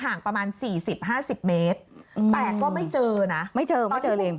ห่างประมาณ๔๐๕๐เมตรแต่ก็ไม่เจอนะ